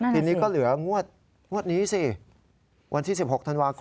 ทีนี้ก็เหลืองวดนี้สิวันที่๑๖ธันวาคม